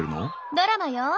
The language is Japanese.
ドラマよ。